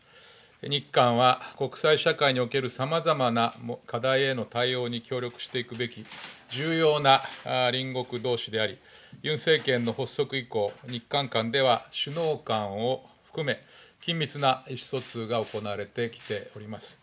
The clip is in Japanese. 日韓、国際社会におけるさまざまな課題への対応に協力していくべき重要な隣国どうしであり現政権の発足以降、日韓間では首脳間を含め緊密な意思疎通が行われてきております。